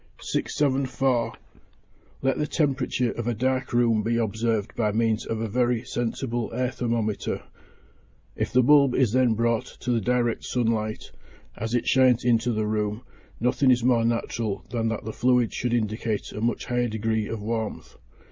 674. Let the temperature of a dark room be observed by means of a very sensible air thermometer; if the bulb is then brought to the direct sun light as it shines into the room, nothing is more natural than that the fluid should indicate a much higher degree of warmth.